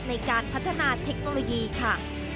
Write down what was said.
ในการพัฒนาเทคโนโลยีค่ะ